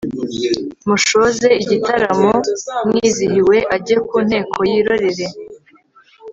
mushoze igitaramo mwizihiwe ajye ku nteko yirorere